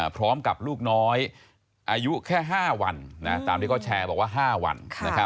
พร้อมกับลูกน้อยอายุแค่๕วันตามที่เขาแชร์บอกว่า๕วัน